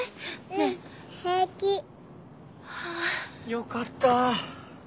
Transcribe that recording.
よかった